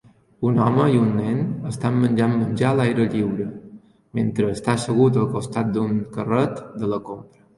Un home i un nen estan menjant menjar a l'aire lliure mentre està assegut al costat d'un carret de la compra